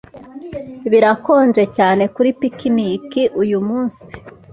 Birakonje cyane kuri picnic uyumunsi.